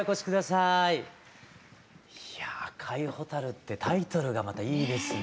いやぁ「紅い螢」ってタイトルがまたいいですね。